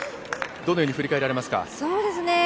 どのように振り返られますか。